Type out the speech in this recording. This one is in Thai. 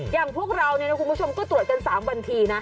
อย่างพวกเราคุณผู้ชมก็ตรวจกัน๓วันทีนะ